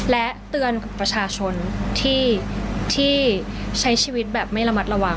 และเตือนกับประชาชนที่ใช้ชีวิตแบบไม่ระมัดระวัง